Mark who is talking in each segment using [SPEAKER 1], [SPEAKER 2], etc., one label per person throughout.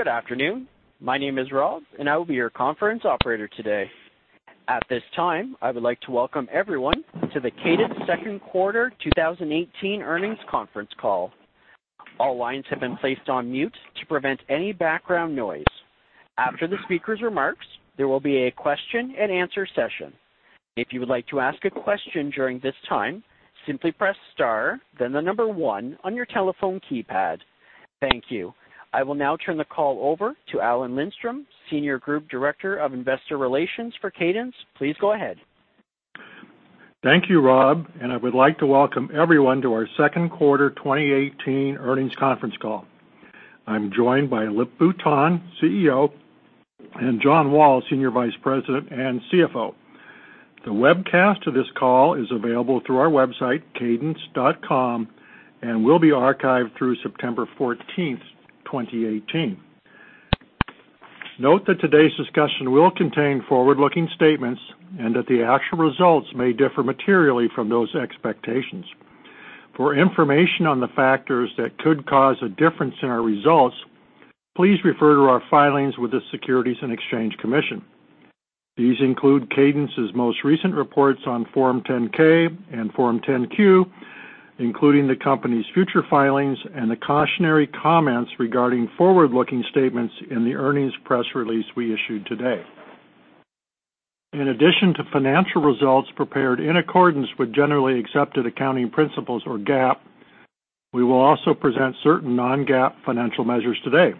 [SPEAKER 1] Good afternoon. My name is Rob, and I will be your conference operator today. At this time, I would like to welcome everyone to the Cadence second quarter 2018 earnings conference call. All lines have been placed on mute to prevent any background noise. After the speaker's remarks, there will be a question and answer session. If you would like to ask a question during this time, simply press star then the number 1 on your telephone keypad. Thank you. I will now turn the call over to Alan Lindstrom, Senior Group Director of Investor Relations for Cadence. Please go ahead.
[SPEAKER 2] Thank you, Rob, and I would like to welcome everyone to our second quarter 2018 earnings conference call. I am joined by Lip-Bu Tan, CEO, and John Wall, Senior Vice President and CFO. The webcast of this call is available through our website, cadence.com, and will be archived through September 14th, 2018. Note that today's discussion will contain forward-looking statements and that the actual results may differ materially from those expectations. For information on the factors that could cause a difference in our results, please refer to our filings with the Securities and Exchange Commission. These include Cadence's most recent reports on Form 10-K and Form 10-Q, including the company's future filings and the cautionary comments regarding forward-looking statements in the earnings press release we issued today. In addition to financial results prepared in accordance with generally accepted accounting principles or GAAP, we will also present certain non-GAAP financial measures today.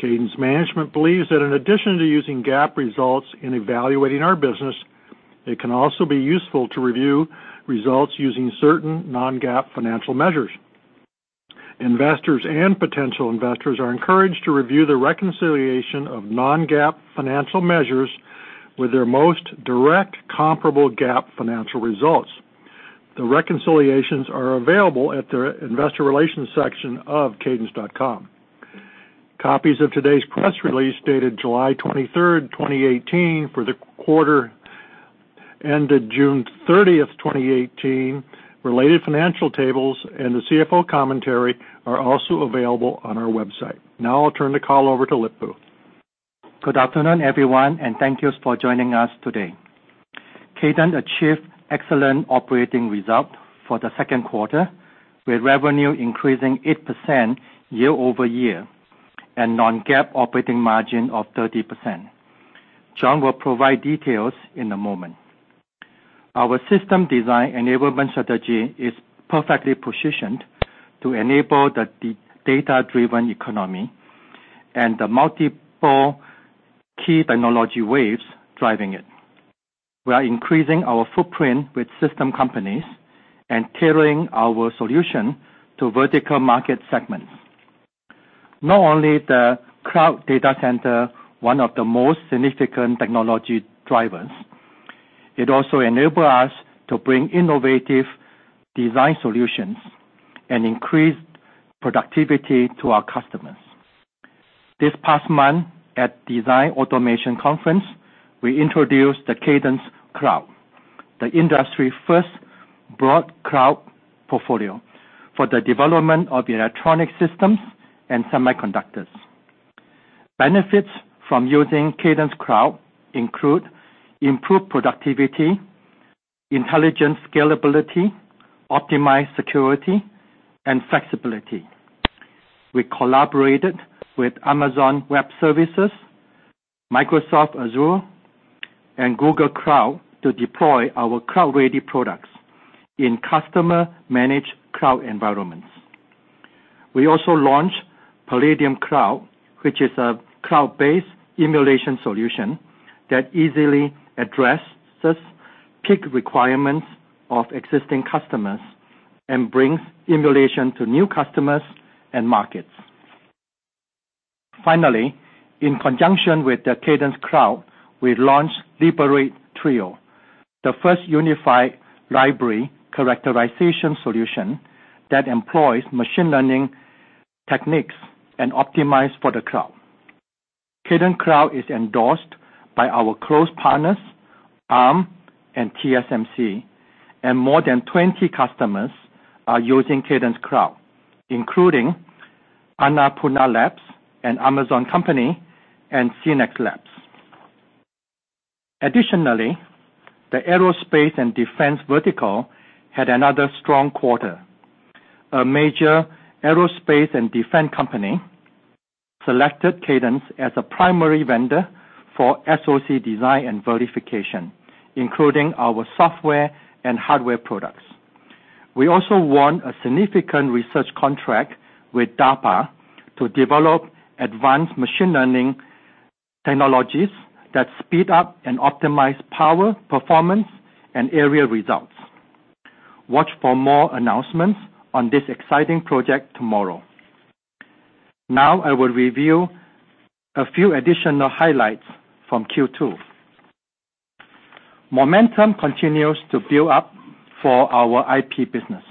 [SPEAKER 2] Cadence management believes that in addition to using GAAP results in evaluating our business, it can also be useful to review results using certain non-GAAP financial measures. Investors and potential investors are encouraged to review the reconciliation of non-GAAP financial measures with their most direct comparable GAAP financial results. The reconciliations are available at the investor relations section of cadence.com. Copies of today's press release, dated July 23rd, 2018 for the quarter ended June 30th, 2018, related financial tables, and the CFO commentary are also available on our website. Now I will turn the call over to Lip-Bu.
[SPEAKER 3] Good afternoon, everyone, and thank you for joining us today. Cadence achieved excellent operating results for the second quarter, with revenue increasing 8% year-over-year, and non-GAAP operating margin of 30%. John will provide details in a moment. Our system design enablement strategy is perfectly positioned to enable the data-driven economy and the multiple key technology waves driving it. We are increasing our footprint with system companies and tailoring our solution to vertical market segments. Not only the cloud data center one of the most significant technology drivers, it also enables us to bring innovative design solutions and increase productivity to our customers. This past month at Design Automation Conference, we introduced the Cadence Cloud, the industry's first broad cloud portfolio for the development of electronic systems and semiconductors. Benefits from using Cadence Cloud include improved productivity, intelligent scalability, optimized security, and flexibility. We collaborated with Amazon Web Services, Microsoft Azure, and Google Cloud to deploy our cloud-ready products in customer-managed cloud environments. We also launched Palladium Cloud, which is a cloud-based emulation solution that easily addresses peak requirements of existing customers and brings emulation to new customers and markets. Finally, in conjunction with the Cadence Cloud, we launched Liberate Trio, the first unified library characterization solution that employs machine learning techniques and optimized for the cloud. Cadence Cloud is endorsed by our close partners, Arm and TSMC, and more than 20 customers are using Cadence Cloud, including Annapurna Labs and Amazon company and [CNEX Labs]. Additionally, the aerospace and defense vertical had another strong quarter. A major aerospace and defense company selected Cadence as a primary vendor for SoC design and verification, including our software and hardware products. We also won a significant research contract with DARPA to develop advanced machine learning technologies that speed up and optimize power, performance, and area results. Watch for more announcements on this exciting project tomorrow. Now I will review a few additional highlights from Q2. Momentum continues to build up for our IP business.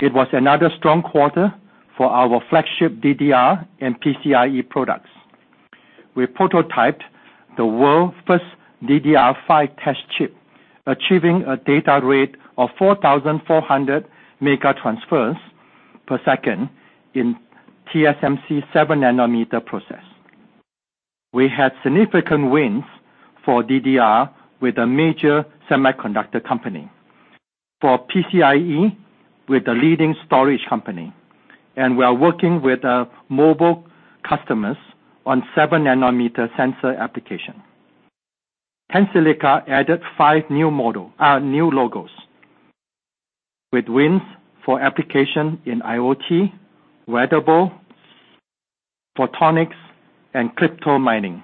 [SPEAKER 3] It was another strong quarter for our flagship DDR and PCIE products. We prototyped the world's first DDR5 test chip, achieving a data rate of 4,400 mega transfers per second in TSMC's 7 nanometer process. We had significant wins for DDR with a major semiconductor company, for PCIe with a leading storage company, and we are working with mobile customers on 7 nanometer sensor application. Tensilica added 5 new logos with wins for application in IoT, wearable, photonics, and crypto mining.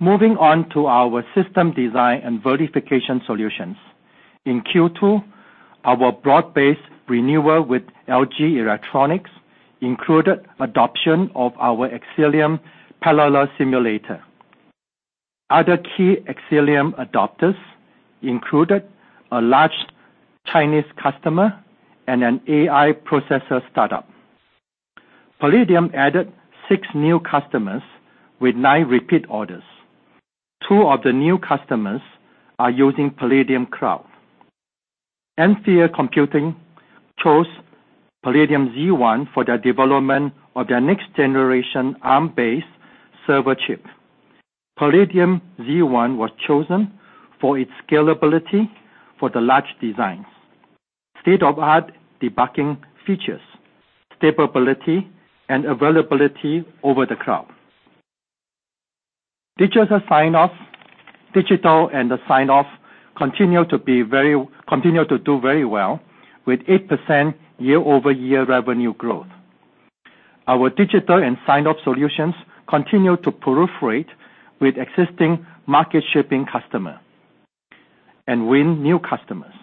[SPEAKER 3] Moving on to our system design and verification solutions. In Q2, our broad-based renewal with LG Electronics included adoption of our Xcelium parallel simulator. Other key Xcelium adopters included a large Chinese customer and an AI processor startup. Palladium added 6 new customers with 9 repeat orders. 2 of the new customers are using Palladium Cloud. Ampere Computing chose Palladium Z1 for their development of their next-generation Arm-based server chip. Palladium Z1 was chosen for its scalability for the large designs, state-of-the-art debugging features, stability, and availability over the cloud. Digital and sign-off continue to do very well, with 8% year-over-year revenue growth. Our digital and sign-off solutions continue to proliferate with existing market-shaping customer, and win new customers.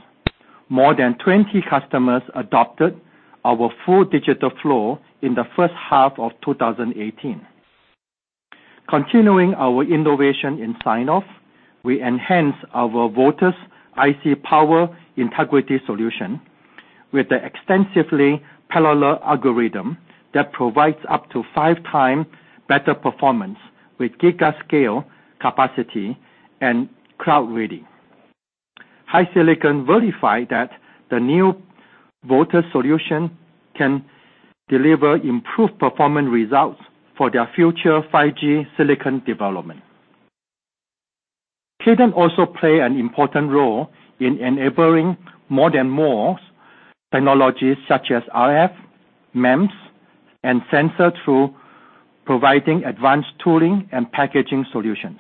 [SPEAKER 3] More than 20 customers adopted our full digital flow in the first half of 2018. Continuing our innovation in sign-off, we enhanced our Voltus IC power integrity solution with the extensively parallel algorithm that provides up to 5 times better performance with giga-scale capacity and cloud-ready. HiSilicon verified that the new Voltus solution can deliver improved performance results for their future 5G silicon development. Cadence also play an important role in enabling more than Moore's technologies, such as RF, MEMS, and sensor, through providing advanced tooling and packaging solutions.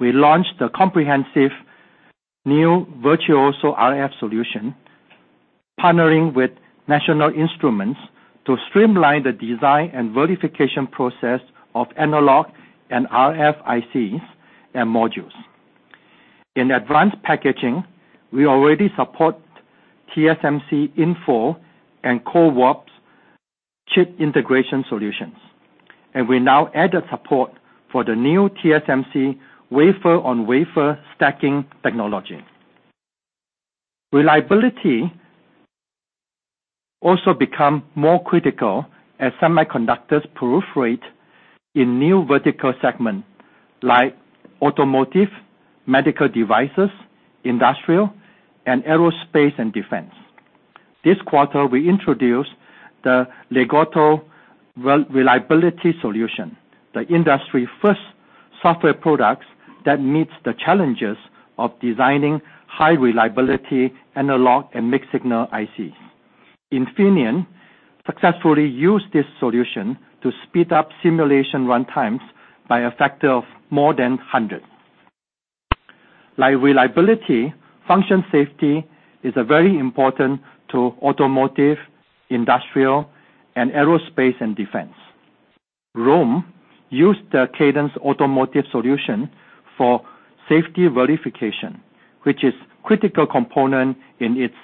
[SPEAKER 3] We launched the comprehensive new Virtuoso RF solution, partnering with National Instruments to streamline the design and verification process of analog and RFICs and modules. In advanced packaging, we already support TSMC InFO and CoWoS chip integration solutions, and we now added support for the new TSMC wafer-on-wafer stacking technology. Reliability also become more critical as semiconductors proliferate in new vertical segments, like automotive, medical devices, industrial, and aerospace and defense. This quarter, we introduced the Legato Reliability Solution, the industry's first software product that meets the challenges of designing high reliability analog and mixed-signal ICs. Infineon successfully used this solution to speed up simulation runtimes by a factor of more than 100. Like reliability, function safety is very important to automotive, industrial, and aerospace and defense. Rohm used the Cadence automotive solution for safety verification, which is critical component in its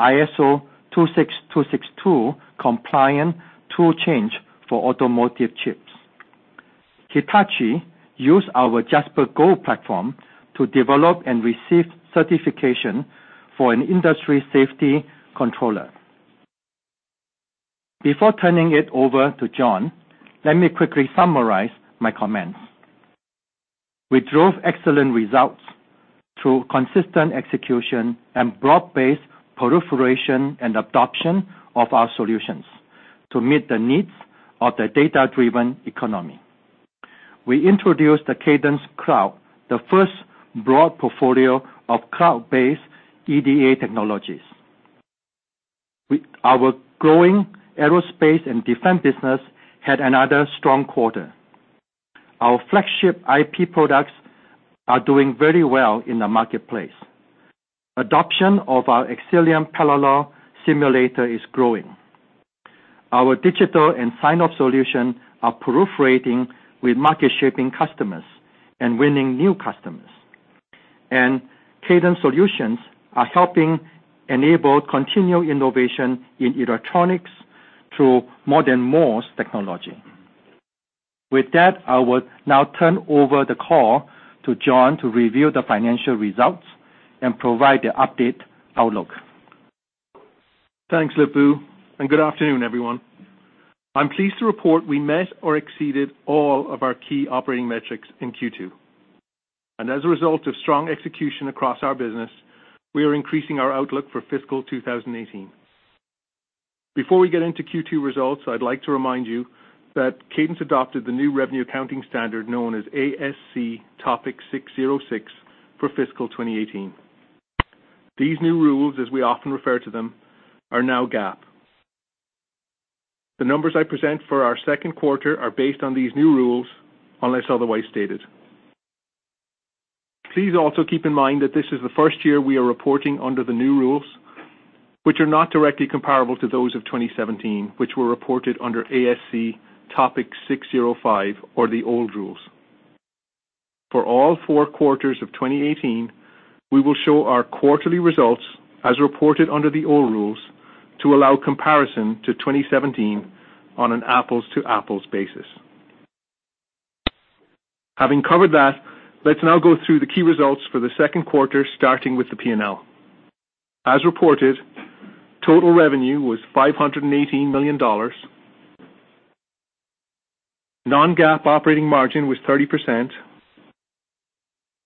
[SPEAKER 3] ISO 26262 compliant toolchain for automotive chips. Hitachi used our JasperGold platform to develop and receive certification for an industry safety controller. Before turning it over to John, let me quickly summarize my comments. We drove excellent results through consistent execution and broad-based proliferation and adoption of our solutions to meet the needs of the data-driven economy. We introduced the Cadence Cloud, the first broad portfolio of cloud-based EDA technologies. Our growing aerospace and defense business had another strong quarter. Our flagship IP products are doing very well in the marketplace. Adoption of our Xcelium parallel simulator is growing. Our digital and sign-off solution are proliferating with market-shaping customers and winning new customers. Cadence solutions are helping enable continued innovation in electronics through more than Moore's technology. With that, I will now turn over the call to John to review the financial results and provide the update outlook.
[SPEAKER 4] Thanks, Lip-Bu, and good afternoon, everyone. I'm pleased to report we met or exceeded all of our key operating metrics in Q2. As a result of strong execution across our business, we are increasing our outlook for fiscal 2018. Before we get into Q2 results, I'd like to remind you that Cadence adopted the new revenue accounting standard known as ASC 606 for fiscal 2018. These new rules, as we often refer to them, are now GAAP. The numbers I present for our second quarter are based on these new rules, unless otherwise stated. Please also keep in mind that this is the first year we are reporting under the new rules, which are not directly comparable to those of 2017, which were reported under ASC 605 or the old rules. For all four quarters of 2018, we will show our quarterly results as reported under the old rules to allow comparison to 2017 on an apples-to-apples basis. Having covered that, let's now go through the key results for the second quarter, starting with the P&L. As reported, total revenue was $518 million. Non-GAAP operating margin was 30%.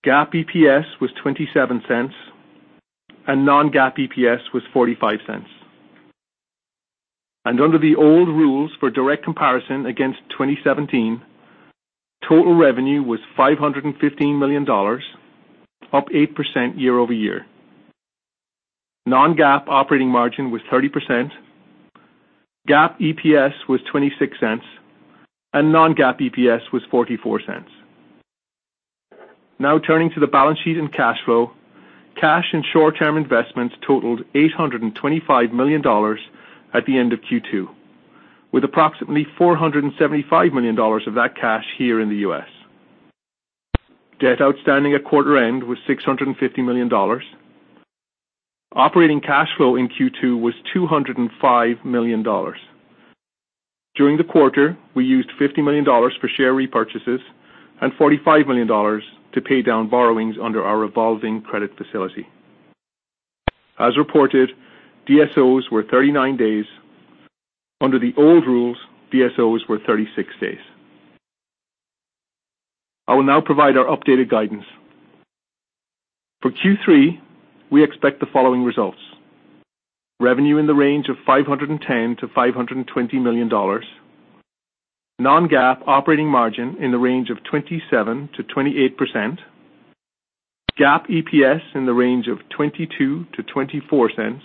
[SPEAKER 4] GAAP EPS was $0.27, and non-GAAP EPS was $0.45. Under the old rules for direct comparison against 2017, total revenue was $515 million, up 8% year-over-year. Non-GAAP operating margin was 30%. GAAP EPS was $0.26, and non-GAAP EPS was $0.44. Now turning to the balance sheet and cash flow. Cash and short-term investments totaled $825 million at the end of Q2, with approximately $475 million of that cash here in the U.S. Debt outstanding at quarter end was $650 million. Operating cash flow in Q2 was $205 million. During the quarter, we used $50 million for share repurchases and $45 million to pay down borrowings under our revolving credit facility. As reported, DSOs were 39 days. Under the old rules, DSOs were 36 days. I will now provide our updated guidance. For Q3, we expect the following results: revenue in the range of $510 million-$520 million, non-GAAP operating margin in the range of 27%-28%, GAAP EPS in the range of $0.22-$0.24,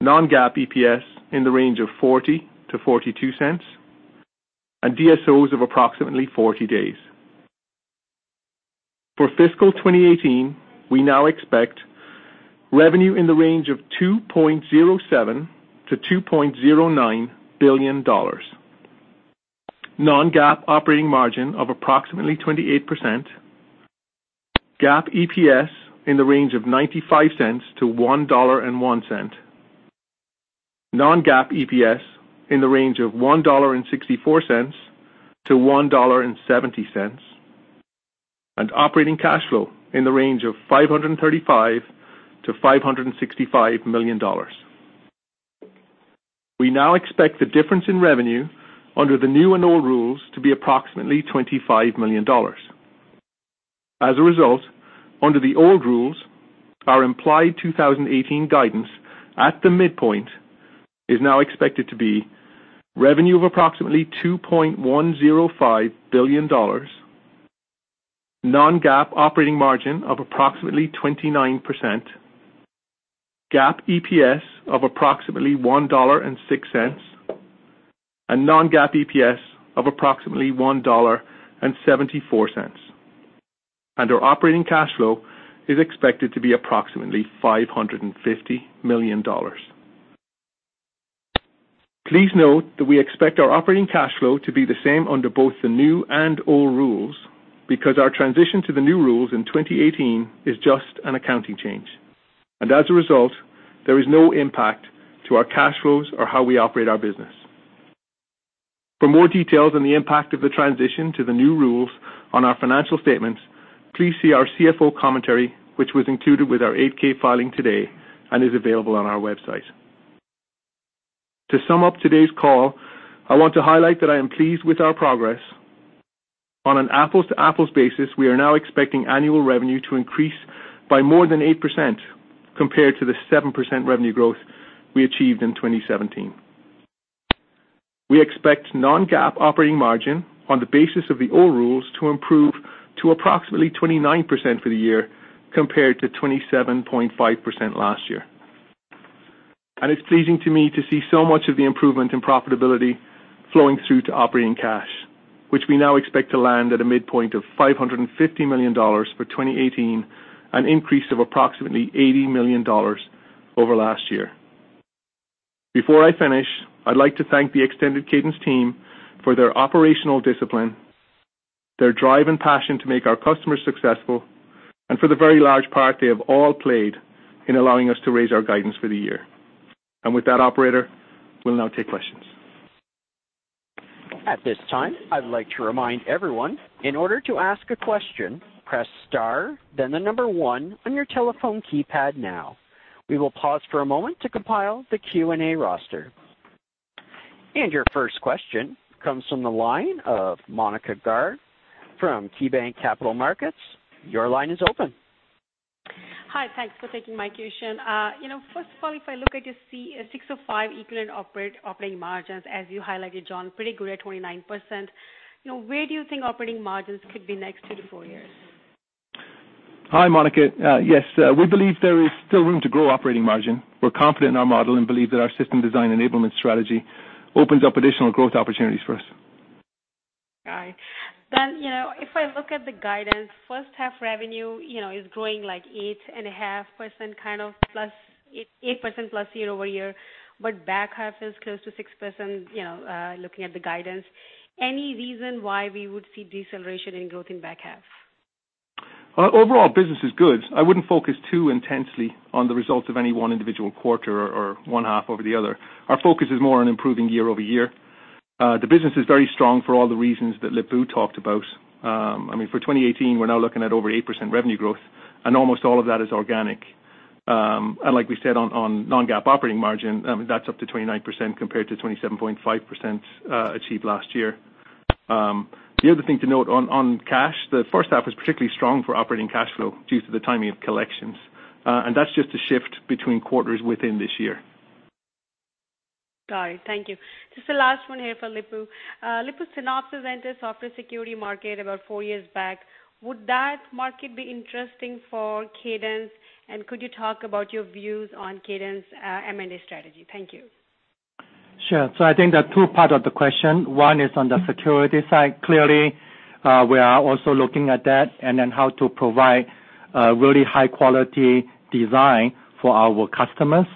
[SPEAKER 4] non-GAAP EPS in the range of $0.40-$0.42, and DSOs of approximately 40 days. For fiscal 2018, we now expect revenue in the range of $2.07 billion-$2.09 billion, non-GAAP operating margin of approximately 28%, GAAP EPS in the range of $0.95-$1.01, non-GAAP EPS in the range of $1.64-$1.70, and operating cash flow in the range of $535 million-$565 million. We now expect the difference in revenue under the new and old rules to be approximately $25 million. As a result, under the old rules, our implied 2018 guidance at the midpoint is now expected to be revenue of approximately $2.105 billion, non-GAAP operating margin of approximately 29%, GAAP EPS of approximately $1.06, and non-GAAP EPS of approximately $1.74. Our operating cash flow is expected to be approximately $550 million. Please note that we expect our operating cash flow to be the same under both the new and old rules because our transition to the new rules in 2018 is just an accounting change, and as a result, there is no impact to our cash flows or how we operate our business. For more details on the impact of the transition to the new rules on our financial statements, please see our CFO commentary, which was included with our Form 8-K filing today and is available on our website. To sum up today's call, I want to highlight that I am pleased with our progress. On an apples-to-apples basis, we are now expecting annual revenue to increase by more than 8% compared to the 7% revenue growth we achieved in 2017. We expect non-GAAP operating margin on the basis of the old rules to improve to approximately 29% for the year compared to 27.5% last year. It's pleasing to me to see so much of the improvement in profitability flowing through to operating cash, which we now expect to land at a midpoint of $550 million for 2018, an increase of approximately $80 million over last year. Before I finish, I'd like to thank the extended Cadence team for their operational discipline, their drive and passion to make our customers successful, and for the very large part they have all played in allowing us to raise our guidance for the year. With that, operator, we'll now take questions.
[SPEAKER 1] At this time, I'd like to remind everyone, in order to ask a question, press star, then the number 1 on your telephone keypad now. We will pause for a moment to compile the Q&A roster. Your first question comes from the line of Monika Garg from KeyBanc Capital Markets. Your line is open.
[SPEAKER 5] Hi. Thanks for taking my question. First of all, if I look, I just see a 605 equivalent operating margins as you highlighted, John, pretty good at 29%. Where do you think operating margins could be next three to four years?
[SPEAKER 4] Hi, Monika. Yes. We believe there is still room to grow operating margin. We're confident in our model and believe that our system design enablement strategy opens up additional growth opportunities for us.
[SPEAKER 5] Got it. If I look at the guidance, first half revenue is growing like 8.5%, kind of plus 8%+ year-over-year, but back half is close to 6%, looking at the guidance. Any reason why we would see deceleration in growth in back half?
[SPEAKER 4] Overall business is good. I wouldn't focus too intensely on the results of any one individual quarter or one half over the other. Our focus is more on improving year-over-year. The business is very strong for all the reasons that Lip-Bu talked about. For 2018, we're now looking at over 8% revenue growth, and almost all of that is organic. Like we said on non-GAAP operating margin, that's up to 29% compared to 27.5% achieved last year. The other thing to note on cash, the first half was particularly strong for operating cash flow due to the timing of collections. That's just a shift between quarters within this year.
[SPEAKER 5] Got it. Thank you. Just the last one here for Lip-Bu. Lip-Bu, Synopsys entered software security market about four years back. Would that market be interesting for Cadence? Could you talk about your views on Cadence's M&A strategy? Thank you.
[SPEAKER 3] Sure. I think there are two part of the question. One is on the security side. Clearly, we are also looking at that and then how to provide really high-quality design for our customers,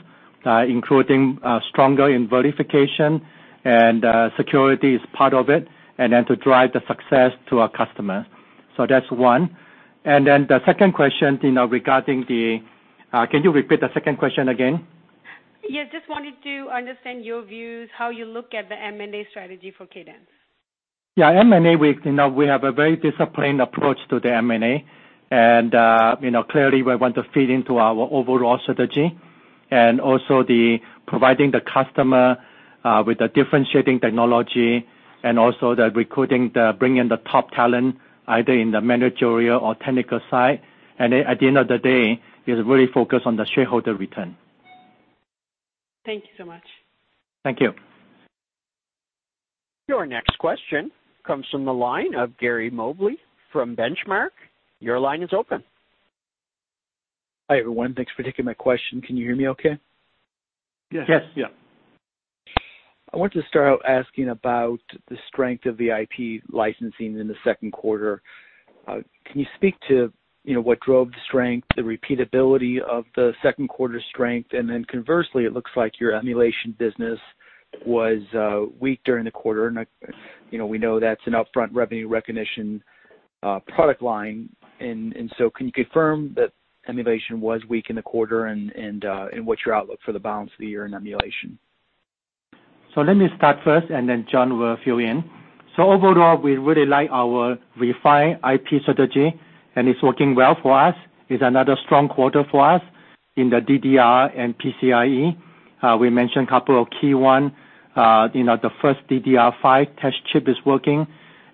[SPEAKER 3] including stronger in verification and security is part of it, and then to drive the success to our customers. That's one. The second question Can you repeat the second question again?
[SPEAKER 5] Yes, just wanted to understand your views, how you look at the M&A strategy for Cadence.
[SPEAKER 3] Yeah, M&A, we have a very disciplined approach to the M&A. Clearly, we want to feed into our overall strategy and also the providing the customer with a differentiating technology and also the recruiting, the bringing the top talent either in the managerial or technical side. At the end of the day, it's really focused on the shareholder return.
[SPEAKER 5] Thank you so much.
[SPEAKER 3] Thank you.
[SPEAKER 1] Your next question comes from the line of Gary Mobley from Benchmark. Your line is open.
[SPEAKER 6] Hi, everyone. Thanks for taking my question. Can you hear me okay?
[SPEAKER 4] Yes.
[SPEAKER 3] Yes.
[SPEAKER 6] I wanted to start out asking about the strength of the IP licensing in the second quarter. Can you speak to what drove the strength, the repeatability of the second quarter strength, conversely, it looks like your emulation business was weak during the quarter, and we know that's an upfront revenue recognition product line. Can you confirm that emulation was weak in the quarter, and what's your outlook for the balance of the year in emulation?
[SPEAKER 3] Let me start first, John will fill in. Overall, we really like our refined IP strategy, and it's working well for us. It's another strong quarter for us in the DDR and PCIe. We mentioned couple of key one. The first DDR5 test chip is working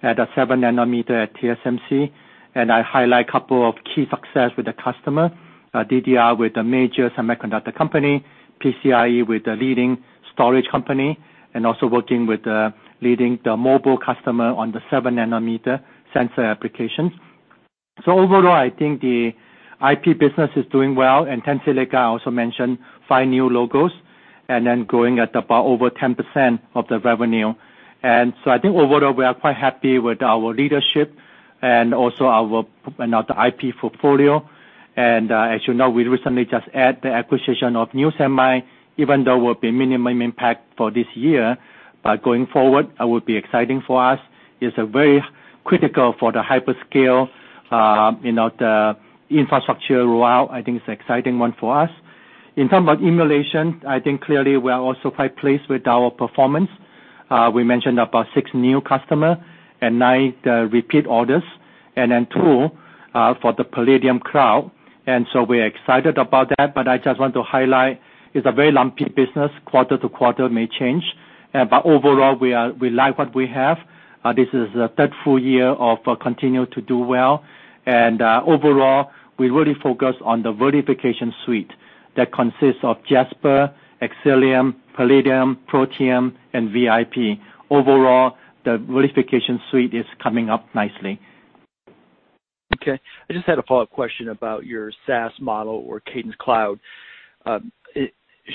[SPEAKER 3] at a seven nanometer at TSMC, and I highlight couple of key success with the customer, DDR with a major semiconductor company, PCIe with a leading storage company, and also working with the leading mobile customer on the seven-nanometer sensor applications. Overall, I think the IP business is doing well, and Tensilica also mentioned five new logos, growing at about over 10% of the revenue. Overall, we are quite happy with our leadership and also our IP portfolio. As you know, we recently just add the acquisition of NuSemi, even though will be minimum impact for this year, but going forward, it will be exciting for us. It's very critical for the hyperscale, the infrastructure rollout. I think it's an exciting one for us. In terms of emulation, I think clearly we are also quite pleased with our performance. We mentioned about six new customer and nine repeat orders, two for the Palladium Cloud. We're excited about that, but I just want to highlight it's a very lumpy business. Quarter to quarter may change. Overall, we like what we have. This is the third full year of continue to do well. Overall, we really focus on the verification suite that consists of Jasper, Xcelium, Palladium, Protium, and VIP. Overall, the verification suite is coming up nicely.
[SPEAKER 6] Okay. I just had a follow-up question about your SaaS model or Cadence Cloud.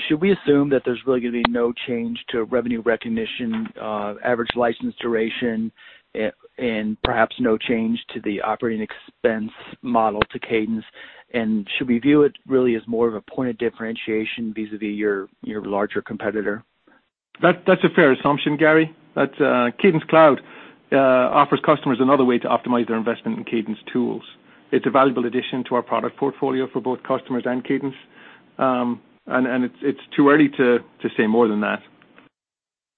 [SPEAKER 6] Should we assume that there's really going to be no change to revenue recognition, average license duration, and perhaps no change to the operating expense model to Cadence? Should we view it really as more of a point of differentiation vis-à-vis your larger competitor?
[SPEAKER 4] That's a fair assumption, Gary. Cadence Cloud offers customers another way to optimize their investment in Cadence tools. It's a valuable addition to our product portfolio for both customers and Cadence. It's too early to say more than that.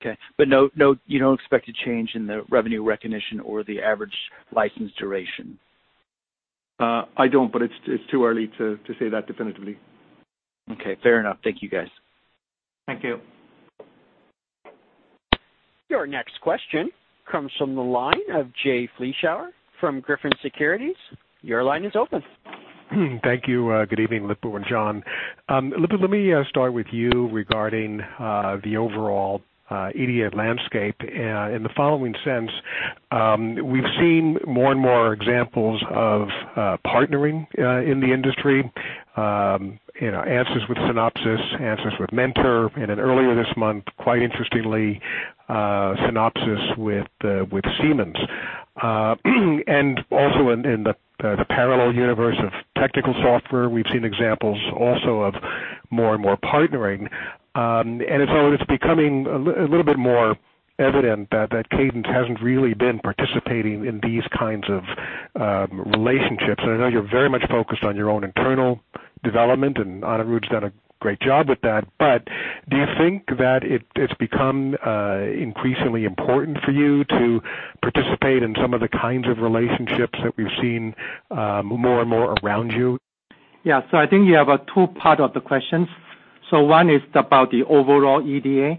[SPEAKER 6] Okay. You don't expect a change in the revenue recognition or the average license duration?
[SPEAKER 4] I don't, but it's too early to say that definitively.
[SPEAKER 6] Okay, fair enough. Thank you, guys.
[SPEAKER 3] Thank you.
[SPEAKER 1] Your next question comes from the line of Jay Vleeschhouwer from Griffin Securities. Your line is open.
[SPEAKER 7] Thank you. Good evening, Lip-Bu and John. Lip, let me start with you regarding the overall EDA landscape in the following sense. We've seen more and more examples of partnering in the industry. Ansys with Synopsys, Ansys with Mentor, earlier this month, quite interestingly, Synopsys with Siemens. Also in the parallel universe of technical software, we've seen examples also of more and more partnering. It's becoming a little bit more evident that Cadence hasn't really been participating in these kinds of relationships. I know you're very much focused on your own internal development, and Anirudh has done a great job with that. Do you think that it's become increasingly important for you to participate in some of the kinds of relationships that we've seen more and more around you?
[SPEAKER 3] Yeah. I think you have two part of the questions. One is about the overall EDA.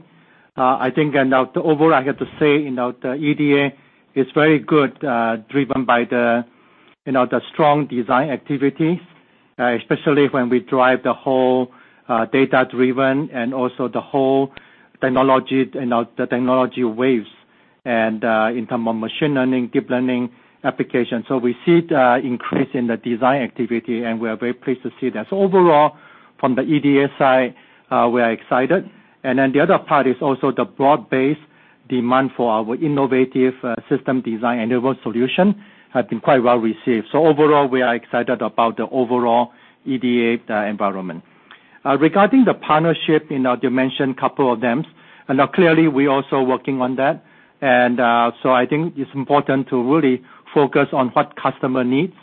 [SPEAKER 3] I think, overall, I have to say, the EDA is very good, driven by the strong design activity, especially when we drive the whole data-driven and also the whole technology and the technology waves, in terms of machine learning, deep learning application. We see the increase in the design activity, and we are very pleased to see that. Overall, from the EDA side, we are excited. The other part is also the broad-based demand for our innovative system design enable solution have been quite well received. Overall, we are excited about the overall EDA environment. Regarding the partnership, you mentioned a couple of them. Clearly we're also working on that. I think it's important to really focus on what customer needs.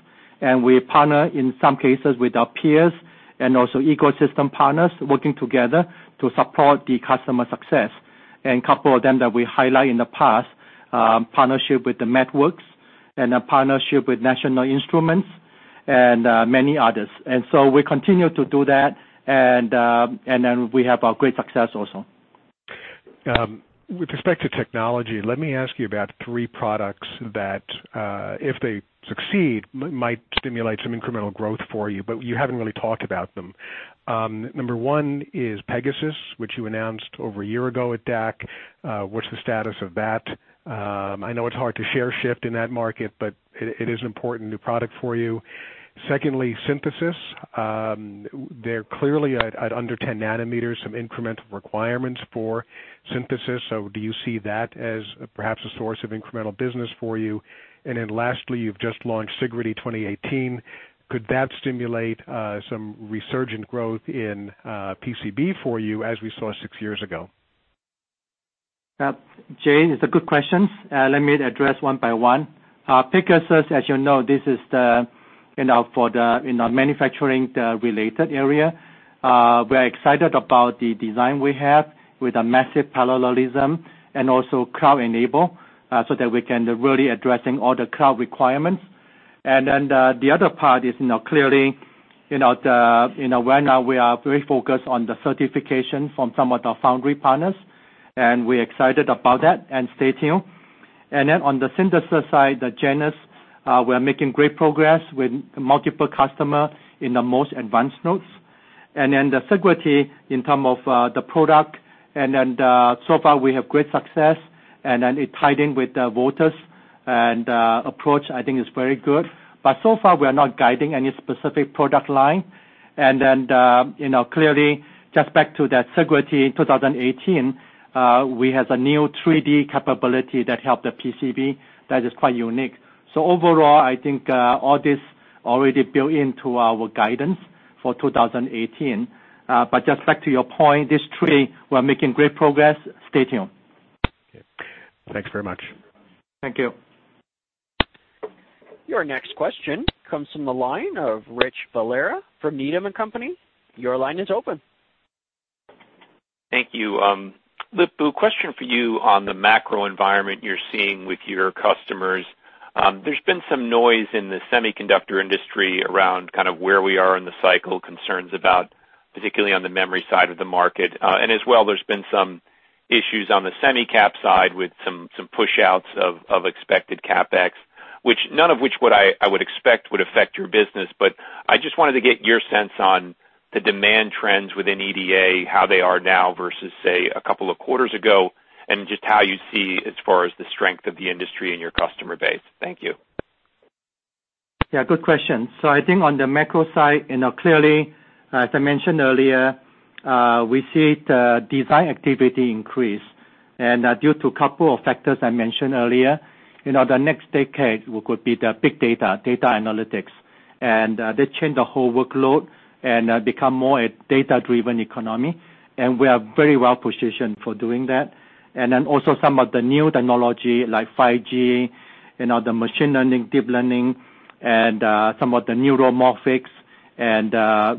[SPEAKER 3] We partner, in some cases, with our peers and also ecosystem partners working together to support the customer success. Couple of them that we highlight in the past, partnership with The Networks and a partnership with National Instruments and many others. We continue to do that. We have a great success also.
[SPEAKER 7] With respect to technology, let me ask you about three products that, if they succeed, might stimulate some incremental growth for you, but you haven't really talked about them. Number 1 is Pegasus, which you announced over a year ago at DAC. What's the status of that? I know it's hard to share shift in that market, but it is an important new product for you. Secondly, synthesis. There clearly at under 10 nanometers, some incremental requirements for synthesis. Do you see that as perhaps a source of incremental business for you? Lastly, you've just launched Sigrity 2018. Could that stimulate some resurgent growth in PCB for you as we saw 6 years ago?
[SPEAKER 3] Jay, it's a good question. Let me address one by one. Pegasus, as you know, this is for the manufacturing-related area. We're excited about the design we have with a massive parallelism and also cloud enable, so that we can really addressing all the cloud requirements. The other part is clearly, right now we are very focused on the certification from some of our foundry partners, and we're excited about that and stay tuned. On the synthesis side, the Genus, we are making great progress with multiple customer in the most advanced nodes. The Sigrity in term of the product. So far we have great success, and then it tied in with the Voltus and approach, I think is very good. So far, we are not guiding any specific product line. Clearly just back to that Sigrity 2018, we have a new 3D capability that help the PCB that is quite unique. Overall, I think all this already built into our guidance for 2018. Just back to your point, these three, we're making great progress. Stay tuned.
[SPEAKER 7] Okay. Thanks very much.
[SPEAKER 3] Thank you.
[SPEAKER 1] Your next question comes from the line of Richard Valera from Needham & Company. Your line is open.
[SPEAKER 8] Thank you. Lip-Bu, question for you on the macro environment you're seeing with your customers. As well, there's been some noise in the semiconductor industry around kind of where we are in the cycle, concerns about, particularly on the memory side of the market. There's been some issues on the semi CAP side with some push-outs of expected CapEx, none of which I would expect would affect your business. I just wanted to get your sense on the demand trends within EDA, how they are now versus, say, a couple of quarters ago, and just how you see as far as the strength of the industry and your customer base. Thank you.
[SPEAKER 3] Yeah, good question. I think on the macro side, clearly, as I mentioned earlier, we see the design activity increase. Due to a couple of factors I mentioned earlier, the next decade could be the big data analytics. They change the whole workload and become more a data-driven economy. We are very well-positioned for doing that. Then also some of the new technology like 5G, the machine learning, deep learning, and some of the neuromorphics and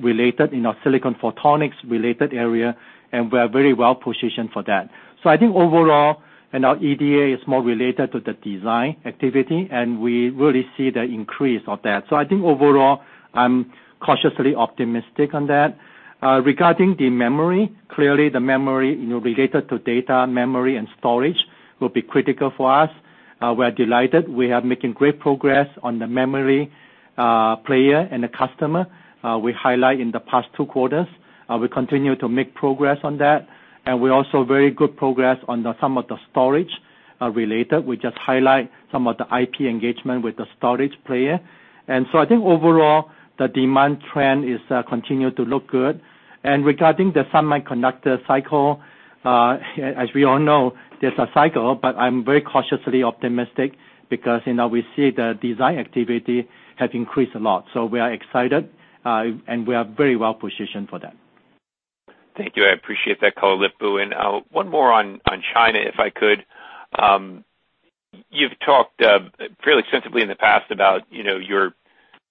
[SPEAKER 3] related silicon photonics related area. We are very well-positioned for that. I think overall, our EDA is more related to the design activity. We really see the increase of that. I think overall, I'm cautiously optimistic on that. Regarding the memory, clearly the memory related to data memory and storage will be critical for us. We are delighted. We are making great progress on the memory player and the customer. We highlight in the past two quarters, we continue to make progress on that, and we're also very good progress on some of the storage related. We just highlight some of the IP engagement with the storage player. I think overall, the demand trend is continue to look good. Regarding the semiconductor cycle, as we all know, there's a cycle, I'm very cautiously optimistic because we see the design activity has increased a lot. We are excited, and we are very well-positioned for that.
[SPEAKER 8] Thank you. I appreciate that, Lip-Bu Tan. One more on China, if I could. You've talked fairly extensively in the past about your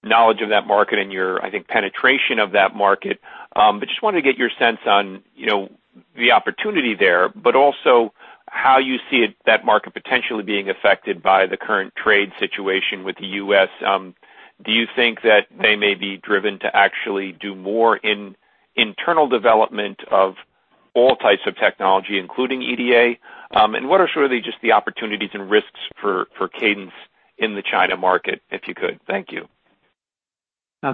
[SPEAKER 8] knowledge of that market and your, I think, penetration of that market. Just wanted to get your sense on the opportunity there, but also how you see that market potentially being affected by the current trade situation with the U.S. Do you think that they may be driven to actually do more in internal development of all types of technology, including EDA? What are surely just the opportunities and risks for Cadence in the China market, if you could? Thank you.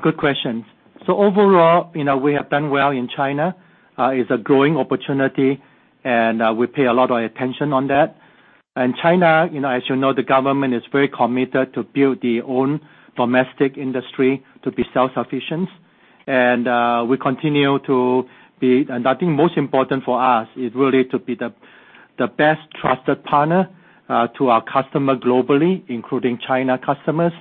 [SPEAKER 3] Good questions. Overall, we have done well in China. It's a growing opportunity, and we pay a lot of attention on that. China, as you know, the government is very committed to build their own domestic industry to be self-sufficient. I think most important for us is really to be the best trusted partner to our customer globally, including China customers.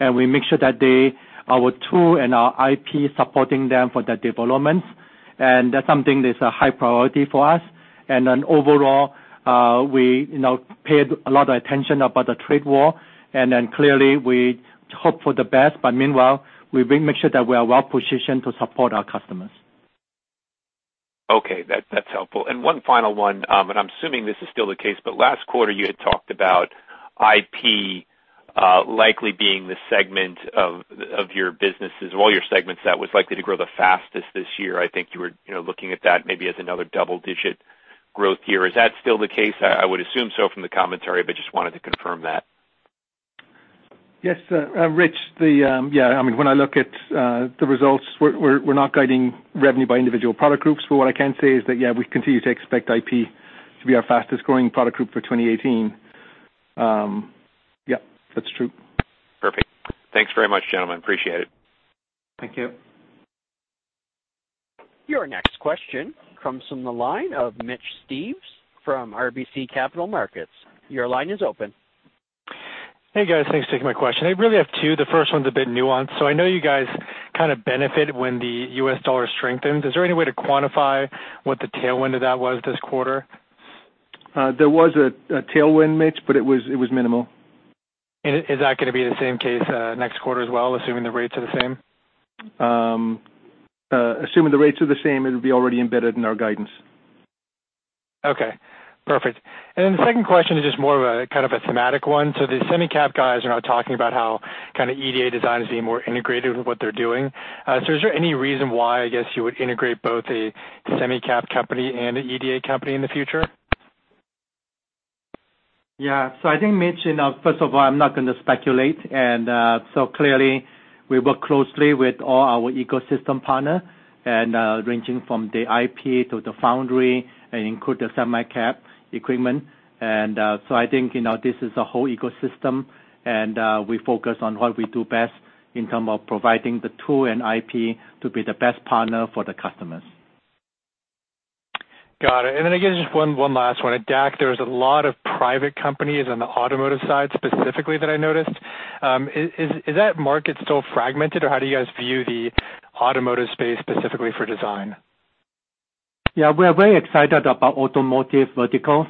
[SPEAKER 3] We make sure that our tool and our IP supporting them for their developments. That's something that's a high priority for us. Overall, we paid a lot of attention about the trade war, and then clearly we hope for the best. Meanwhile, we really make sure that we are well-positioned to support our customers.
[SPEAKER 8] Okay. That's helpful. One final one, and I'm assuming this is still the case, but last quarter, you had talked about IP likely being the segment of your businesses, of all your segments that was likely to grow the fastest this year. I think you were looking at that maybe as another double-digit growth year. Is that still the case? I would assume so from the commentary, but just wanted to confirm that.
[SPEAKER 4] Yes, Rich. When I look at the results, we're not guiding revenue by individual product groups. What I can say is that, yeah, we continue to expect IP to be our fastest-growing product group for 2018. Yeah, that's true.
[SPEAKER 8] Perfect. Thanks very much, gentlemen. Appreciate it.
[SPEAKER 3] Thank you.
[SPEAKER 1] Your next question comes from the line of Mitch Steves from RBC Capital Markets. Your line is open.
[SPEAKER 9] Hey, guys. Thanks for taking my question. I really have two. The first one's a bit nuanced. I know you guys kind of benefit when the US dollar strengthens. Is there any way to quantify what the tailwind of that was this quarter?
[SPEAKER 4] There was a tailwind, Mitch, it was minimal.
[SPEAKER 9] Is that going to be the same case next quarter as well, assuming the rates are the same?
[SPEAKER 4] Assuming the rates are the same, it will be already embedded in our guidance.
[SPEAKER 9] Okay. Perfect. The second question is just more of a kind of a thematic one. The semi cap guys are now talking about how kind of EDA design is being more integrated with what they're doing. Is there any reason why, I guess, you would integrate both a semi cap company and an EDA company in the future?
[SPEAKER 3] Yeah. I think, Mitch, first of all, I'm not going to speculate. Clearly we work closely with all our ecosystem partner ranging from the IP to the foundry and include the semi cap equipment. I think this is a whole ecosystem, and we focus on what we do best in terms of providing the tool and IP to be the best partner for the customers.
[SPEAKER 9] Got it. I guess, just one last one. At DAC, there was a lot of private companies on the automotive side specifically that I noticed. Is that market still fragmented, or how do you guys view the automotive space specifically for design?
[SPEAKER 3] Yeah, we are very excited about automotive verticals.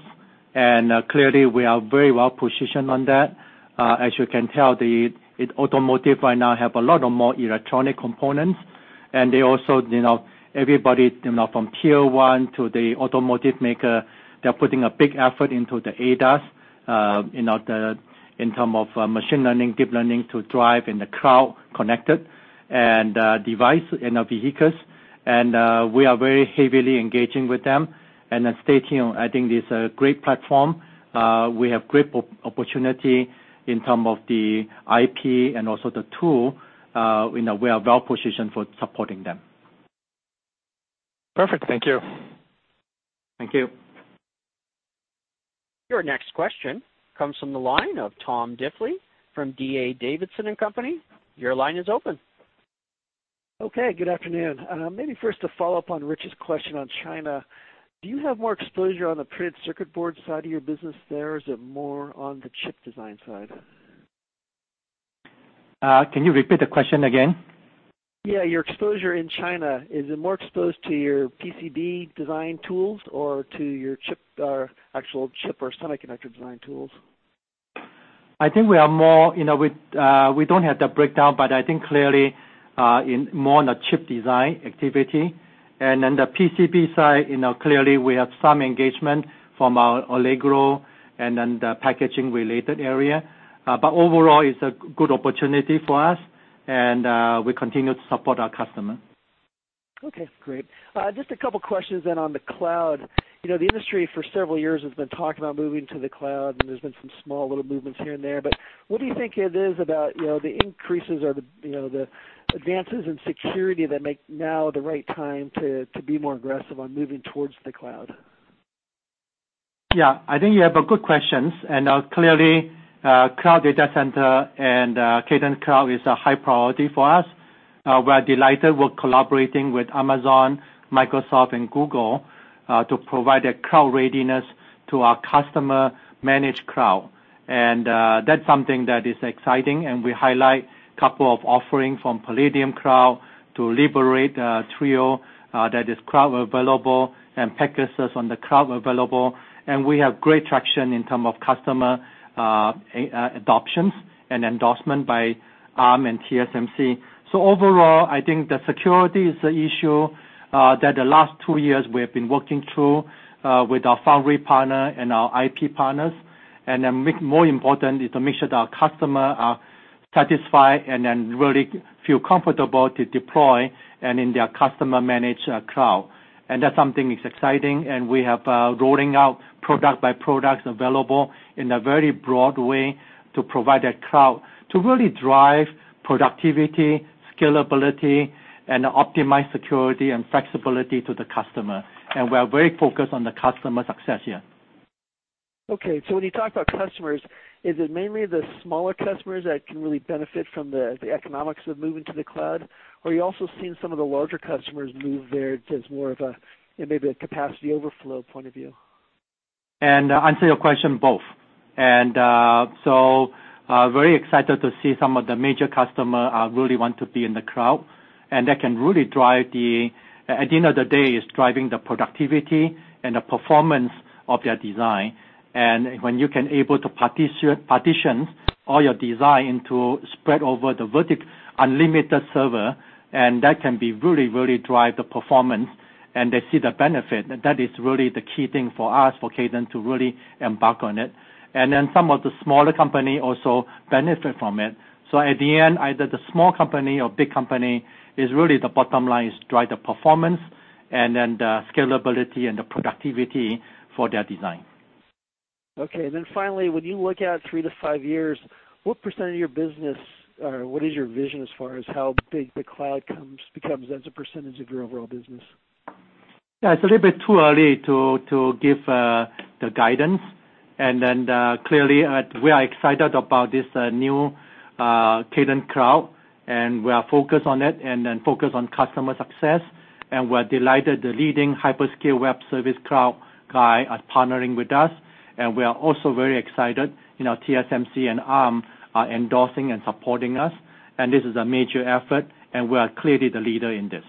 [SPEAKER 3] Clearly we are very well-positioned on that. As you can tell, the automotive right now have a lot of more electronic components, and everybody from tier 1 to the automotive maker, they're putting a big effort into the ADAS in terms of machine learning, deep learning to drive in the cloud connected and device in the vehicles. We are very heavily engaging with them and stating, I think this is a great platform. We have great opportunity in terms of the IP and also the tool. We are well-positioned for supporting them.
[SPEAKER 9] Perfect. Thank you.
[SPEAKER 3] Thank you.
[SPEAKER 1] Your next question comes from the line of Tom Diffely from D.A. Davidson & Co. Your line is open.
[SPEAKER 10] Okay. Good afternoon. Maybe first a follow-up on Rich's question on China. Do you have more exposure on the printed circuit board side of your business there, or is it more on the chip design side?
[SPEAKER 3] Can you repeat the question again?
[SPEAKER 10] Your exposure in China, is it more exposed to your PCB design tools or to your actual chip or semiconductor design tools?
[SPEAKER 3] I think we don't have the breakdown, but I think clearly, in more on the chip design activity. On the PCB side, clearly we have some engagement from our Allegro and then the packaging related area. Overall, it's a good opportunity for us, and we continue to support our customer.
[SPEAKER 10] Okay, great. Just a couple questions then on the cloud. The industry for several years has been talking about moving to the cloud, there's been some small little movements here and there, what do you think it is about the increases or the advances in security that make now the right time to be more aggressive on moving towards the cloud?
[SPEAKER 3] I think you have a good questions, clearly, Cadence Cloud is a high priority for us. We are delighted we're collaborating with Amazon, Microsoft, and Google, to provide a cloud readiness to our customer-managed cloud. That's something that is exciting, we highlight couple of offerings from Palladium Cloud to Liberate Trio, that is cloud available and Pegasus on the cloud available. We have great traction in term of customer adoptions and endorsement by Arm and TSMC. Overall, I think the security is a issue, that the last two years we have been working through with our foundry partner and our IP partners. Then make more important is to make sure that our customer are satisfied and then really feel comfortable to deploy and in their customer manage cloud. That's something is exciting. We have rolling out product by product available in a very broad way to provide that cloud to really drive productivity, scalability, and optimize security and flexibility to the customer. We are very focused on the customer success here.
[SPEAKER 10] Okay. When you talk about customers, is it mainly the smaller customers that can really benefit from the economics of moving to the cloud? Or are you also seeing some of the larger customers move there to as more of a maybe a capacity overflow point of view?
[SPEAKER 3] Answer your question, both. Very excited to see some of the major customer really want to be in the cloud, and at the end of the day is driving the productivity and the performance of their design. When you can able to partition all your design to spread over the virtually unlimited servers, that can be really drive the performance and they see the benefit. That is really the key thing for us, for Cadence to really embark on it. Some of the smaller company also benefit from it. In the end, either the small company or big company is really the bottom line is drive the performance and then the scalability and the productivity for their design.
[SPEAKER 10] Okay, finally, when you look out three to five years, what % of your business, or what is your vision as far as how big the cloud becomes as a percentage of your overall business?
[SPEAKER 3] It's a little bit too early to give the guidance. Clearly, we are excited about this new Cadence Cloud, and we are focused on it and focused on customer success. We're delighted the leading hyperscale web service cloud guy are partnering with us, and we are also very excited in our TSMC and Arm are endorsing and supporting us. This is a major effort, and we are clearly the leader in this.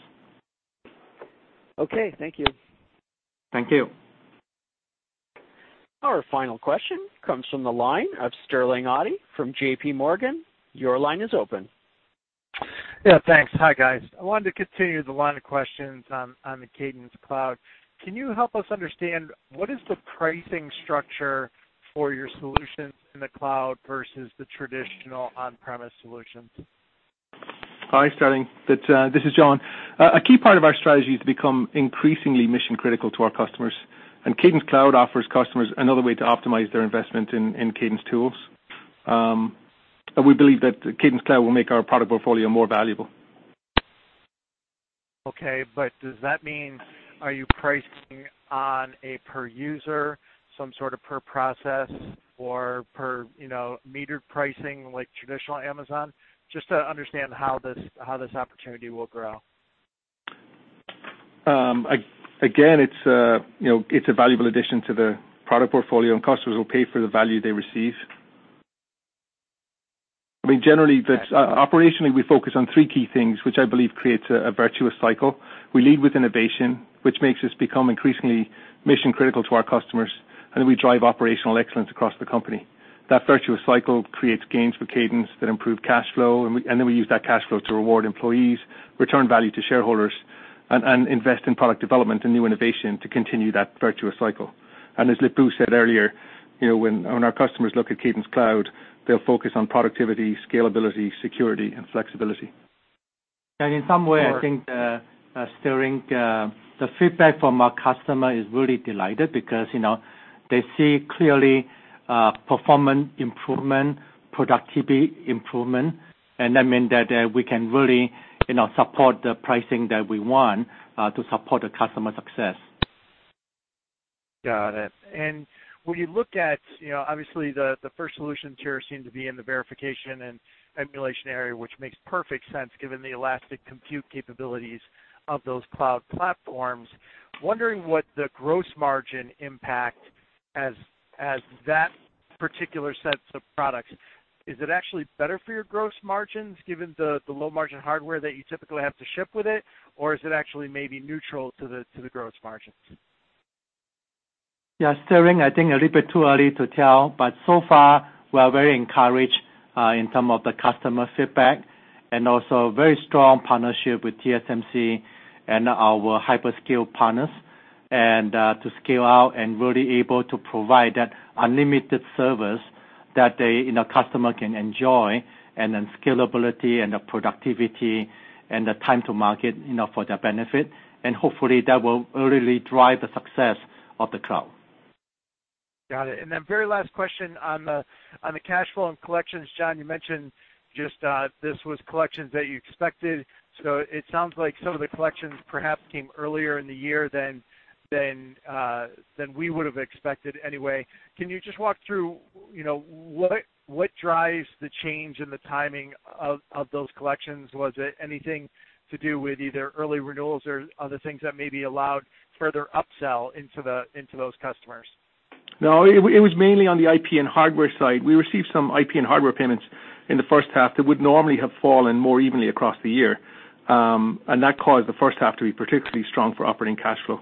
[SPEAKER 10] Okay. Thank you.
[SPEAKER 3] Thank you.
[SPEAKER 1] Our final question comes from the line of Sterling Auty from JPMorgan. Your line is open.
[SPEAKER 11] Yeah, thanks. Hi, guys. I wanted to continue the line of questions on the Cadence Cloud. Can you help us understand what is the pricing structure for your solutions in the cloud versus the traditional on-premise solutions?
[SPEAKER 4] Hi, Sterling. This is John. A key part of our strategy is to become increasingly mission-critical to our customers, Cadence Cloud offers customers another way to optimize their investment in Cadence tools. We believe that Cadence Cloud will make our product portfolio more valuable.
[SPEAKER 11] Okay, does that mean are you pricing on a per user, some sort of per process or per metered pricing like traditional Amazon? Just to understand how this opportunity will grow.
[SPEAKER 4] Again, it's a valuable addition to the product portfolio, Customers will pay for the value they receive. I mean, generally, operationally, we focus on three key things, which I believe creates a virtuous cycle. We lead with innovation, which makes us become increasingly mission-critical to our customers, We drive operational excellence across the company. That virtuous cycle creates gains for Cadence that improve cash flow, We use that cash flow to reward employees, return value to shareholders, and invest in product development and new innovation to continue that virtuous cycle. As Lip-Bu said earlier, when our customers look at Cadence Cloud, they'll focus on productivity, scalability, security, and flexibility.
[SPEAKER 3] In some way, I think, Sterling, the feedback from our customer is really delighted because they see clearly performance improvement, productivity improvement, and that means that we can really support the pricing that we want, to support the customer success.
[SPEAKER 11] Got it. When you look at, obviously, the first solutions here seem to be in the verification and emulation area, which makes perfect sense given the elastic compute capabilities of those cloud platforms. Wondering what the gross margin impact As that particular sets of products, is it actually better for your gross margins given the low-margin hardware that you typically have to ship with it? Or is it actually maybe neutral to the gross margins?
[SPEAKER 3] Yes, Sterling, I think a little bit too early to tell. So far, we are very encouraged in term of the customer feedback and also very strong partnership with TSMC and our hyperscale partners. To scale out and really able to provide that unlimited service that customer can enjoy, and then scalability and the productivity and the time to market for their benefit. Hopefully, that will really drive the success of the cloud.
[SPEAKER 11] Got it. Very last question on the cash flow and collections. John, you mentioned just, this was collections that you expected. It sounds like some of the collections perhaps came earlier in the year than we would've expected anyway. Can you just walk through, what drives the change in the timing of those collections? Was it anything to do with either early renewals or other things that maybe allowed further upsell into those customers?
[SPEAKER 4] No, it was mainly on the IP and hardware side. We received some IP and hardware payments in the first half that would normally have fallen more evenly across the year. That caused the first half to be particularly strong for operating cash flow.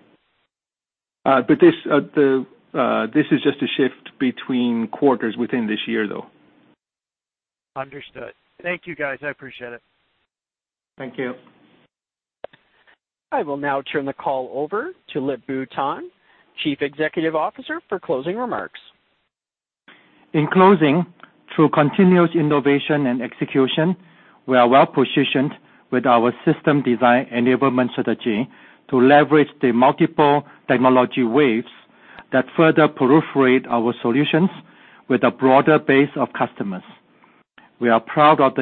[SPEAKER 4] This is just a shift between quarters within this year, though.
[SPEAKER 11] Understood. Thank you, guys. I appreciate it.
[SPEAKER 3] Thank you.
[SPEAKER 1] I will now turn the call over to Lip-Bu Tan, Chief Executive Officer, for closing remarks.
[SPEAKER 3] In closing, through continuous innovation and execution, we are well-positioned with our system design enablement strategy to leverage the multiple technology waves that further proliferate our solutions with a broader base of customers. We are proud of the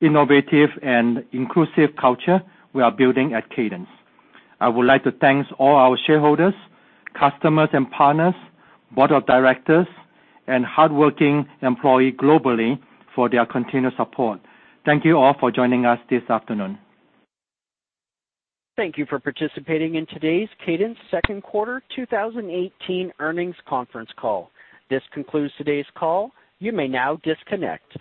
[SPEAKER 3] innovative and inclusive culture we are building at Cadence. I would like to thank all our shareholders, customers and partners, board of directors, and hardworking employee globally for their continued support. Thank you all for joining us this afternoon.
[SPEAKER 1] Thank you for participating in today's Cadence second quarter 2018 earnings conference call. This concludes today's call. You may now disconnect.